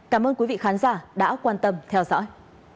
cảm ơn quý vị khán giả đã quan tâm theo dõi